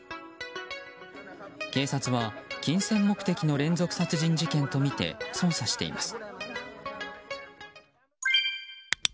警察は、金銭目的の連続殺人事件とみて捜査しています。